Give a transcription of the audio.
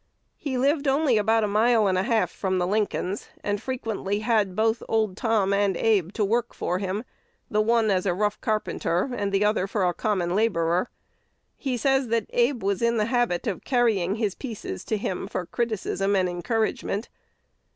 He lived only about a mile and a half from the Lincolns, and frequently had both old Tom and Abe to work for him, the one as a rough carpenter, and the other as a common laborer. He says that Abe was in the habit of carrying "his pieces" to him for criticism and encouragement.